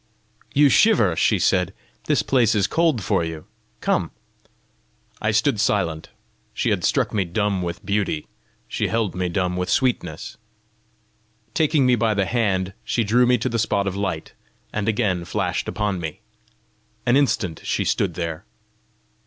"You shiver!" she said. "This place is cold for you! Come." I stood silent: she had struck me dumb with beauty; she held me dumb with sweetness. Taking me by the hand, she drew me to the spot of light, and again flashed upon me. An instant she stood there.